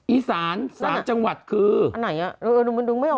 อีสานสามจังหวัดคืออันไหนน่ะดูไม่ออก